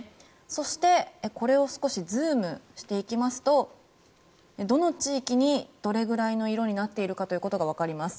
そして、これを少しズームしていきますとどの地域がどれぐらいの色になっているかということがわかります。